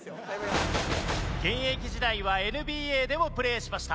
現役時代はＮＢＡでもプレーしました。